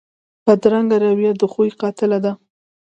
بدرنګه رویه د خوښۍ قاتله ده